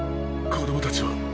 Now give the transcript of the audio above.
子供たちは？